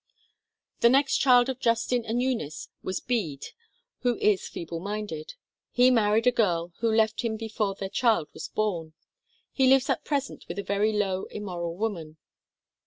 The next child of Justin and Eunice was Beede, who is feeble minded. He married a girl who left him be fore their child was born. He lives at present with a very low, immoral woman.